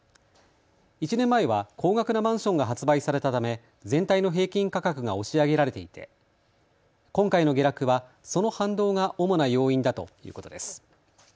１年前は高額なマンションが発売されたため全体の平均価格が押し上げられていて今回の下落はその反動が主な要因だということです。